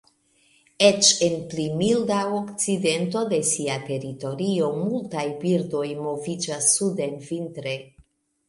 Eĉ en pli milda okcidento de sia teritorio, multaj birdoj moviĝas suden vintre.